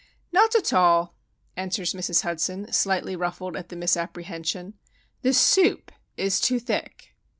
"Not at all," answers Mrs. Hudson, slightly ruffled at the misapprehension. "The soup is too thick."